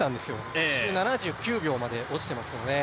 １周７９秒まで落ちていますので。